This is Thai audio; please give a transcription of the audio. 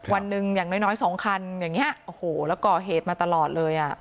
วันหนึ่งอย่างน้อยสองคันอย่างนี้โอ้โหแล้วก่อเหตุมาตลอดเลยอ่ะ